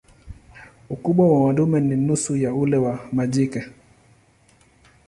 Ukubwa wa madume ni nusu ya ule wa majike.